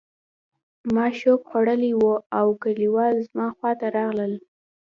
ما شوک خوړلی و او کلیوال زما خواته راغلل